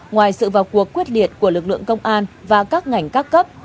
ngoài sự vào cuộc quyết liệt của lực lượng công an và các ngành các cấp